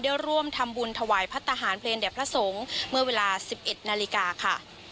เดี๋ยวร่วมทำบุญถ่ายพระสตราหารเทพเตรียมเหลี่ยนแสงเวลา๑๑นาฬิกาค่ะ